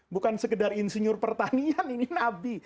bukan sekedar insinyur pertanian ini nabi